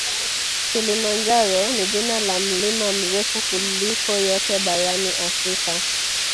Kilimanjaro ni jina la mlima mrefu kuliko yote barani Afrika